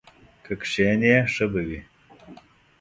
که کښېنې ښه به وي!